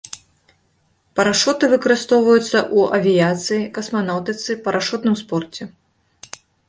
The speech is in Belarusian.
Парашуты выкарыстоўваюцца ў авіяцыі, касманаўтыцы, парашутным спорце.